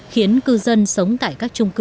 khiến cư dân sống tại các trung cư